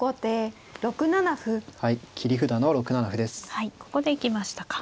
はいここで行きましたか。